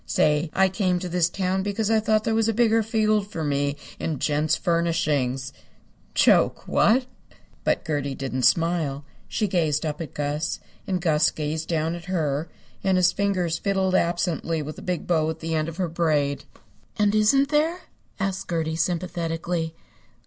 Say, I came to this town because I thought there was a bigger field for me in Gents' Furnishings. Joke, what?" But Gertie didn't smile. She gazed up at Gus, and Gus gazed down at her, and his fingers fiddled absently with the big bow at the end of her braid. "And isn't there?" asked Gertie, sympathetically.